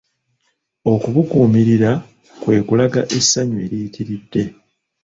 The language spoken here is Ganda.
Okubuguumirira kwe kulaga essanyu eriyitiridde